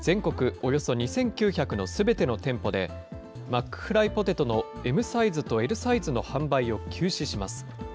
およそ２９００のすべての店舗で、マックフライポテトのＭサイズとＬサイズの販売を休止します。